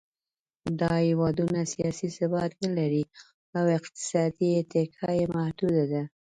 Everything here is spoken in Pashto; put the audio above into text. دا هېوادونه سیاسي ثبات نهلري او اقتصادي اتکا یې محدوده ده.